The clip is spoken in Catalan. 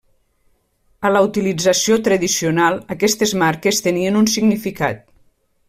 A la utilització tradicional aquestes marques tenien un significat.